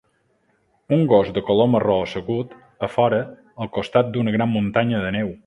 Un gos de color marró assegut afora al costat d"una gran muntanya de neu.